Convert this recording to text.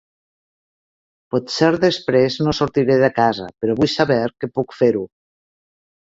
Potser després no sortiré de casa, però vull saber que puc fer-ho.